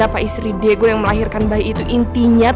siapa istri diego yang melahirkan bayi itu intinya taatnya ya udah